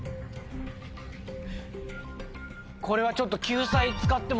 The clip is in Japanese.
これはちょっと。